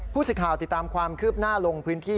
สิทธิ์ติดตามความคืบหน้าลงพื้นที่